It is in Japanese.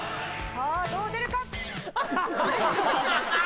さぁどう出るか？